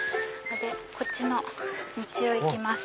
こっちの道を行きます。